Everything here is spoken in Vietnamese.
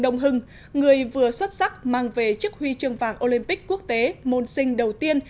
đông hưng người vừa xuất sắc mang về chiếc huy chương vàng olympic quốc tế môn sinh đầu tiên